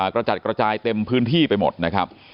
กระจัดกระจายเต็มพื้นที่ไปหมดนะครับ